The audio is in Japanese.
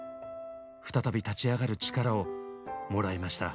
再び立ち上がる力をもらいました。